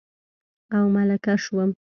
او ملکه شوم